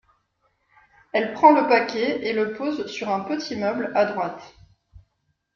Elle prend le paquet et le pose sur un petit meuble à droite.